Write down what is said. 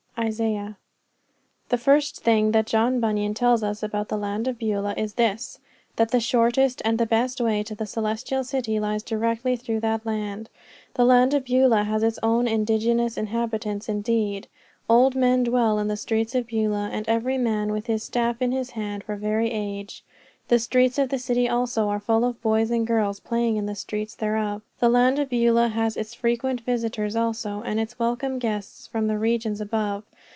Isaiah. The first thing that John Bunyan tells us about the land of Beulah is this that the shortest and the best way to the Celestial City lies directly through that land. The land of Beulah has its own indigenous inhabitants indeed. Old men dwell in the streets of Beulah, and every man with his staff in his hand for very age. The streets of the city also are full of boys and girls playing in the streets thereof. The land of Beulah has its frequent visitors also, and its welcome guests from the regions above.